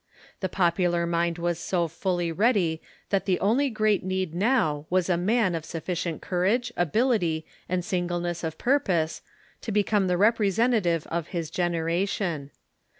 The popular mind was so fully ready that the onlj'' great need now was a man of suffi cient courage, ability, and singleness of purpose to become the representative of his generation.